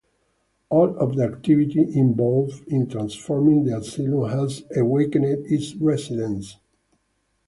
All of the activity involved in transforming the Asylum has awakened its residents.